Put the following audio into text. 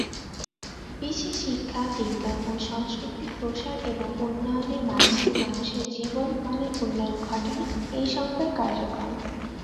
বিশ্বে শিক্ষা, বিজ্ঞান ও সংস্কৃতির প্রসার এবং উন্নয়নের মাধ্যমে মানুষের জীবন মানের উন্নয়ন ঘটানো এই সংস্থার কার্যক্রম।